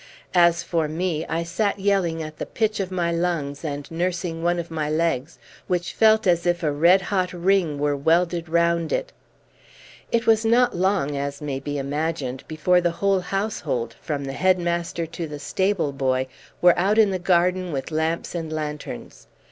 As for me, I sat yelling at the pitch of my lungs and nursing one of my legs, which felt as if a red hot ring were welded round it. It was not long, as may be imagined, before the whole household, from the headmaster to the stable boy, were out in the garden with lamps and lanterns.